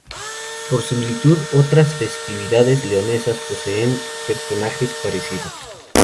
Por similitud otras festividades leonesas poseen personajes parecidos.